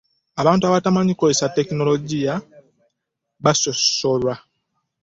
abantu abatamanyi kukozesa tekinologiya basosolwa.